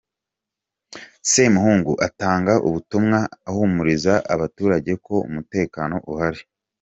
Semuhungu atanga ubutumwa ahumuriza abaturage ko umutekano uhari.